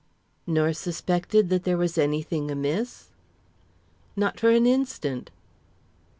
"Nor suspected that there was anything amiss?" "Not for an instant."